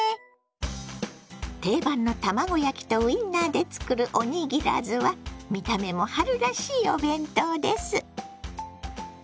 定番の卵焼きとウインナーで作るおにぎらずは見た目も春らしいお弁当です。